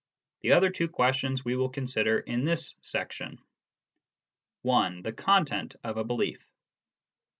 The other two questions we will consider in this section. (1) The Content of a Belief.